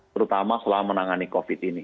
terutama selama menangani covid ini